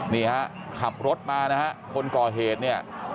นี่ครับขับรถมานะครับคนก่อเหตุเนี่ย